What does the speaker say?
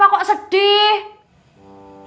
mak kenapa kok sedih